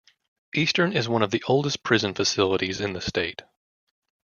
Eastern is one of the oldest prison facilities in the state.